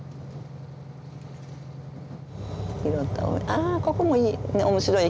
ああここもいい。